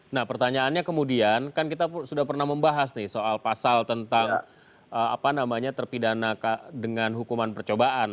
nah pertanyaannya kemudian kan kita sudah pernah membahas nih soal pasal tentang terpidana dengan hukuman percobaan